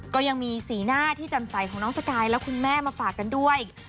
ก็ยังมีสีหน้าที่จำใสของน้องสกายและคุณแม่มาฝากกันด้วย